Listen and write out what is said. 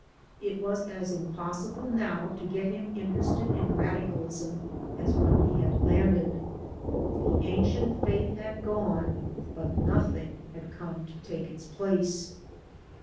It was as impossible now to get him interested in radical ism as when he had landed. The ancient faith had gone, but nothing had come to take its place.